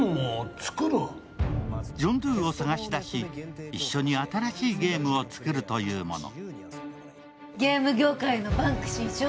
ジョンドゥを探し出し一緒に新しいゲームを作るというもの。